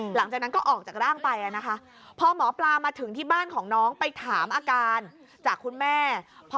หลังจากนั้นก็ออกจากร่างไปนะคะพอหมอปลามาถึงที่บ้านของน้องไปถามอาการจากคุณแม่